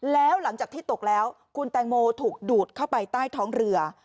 แล้วหลังจากที่ตกแล้วคุณแตงโมถูกดูดเข้าไปใต้ท้องเรือ